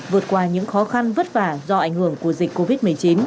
vượt qua những khó khăn vất vả do ảnh hưởng của dịch covid một mươi chín